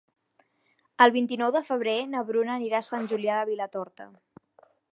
El vint-i-nou de febrer na Bruna anirà a Sant Julià de Vilatorta.